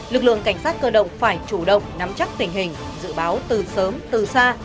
lực lượng cảnh sát cơ động phải chủ động nắm chắc tình hình dự báo từ sớm từ xa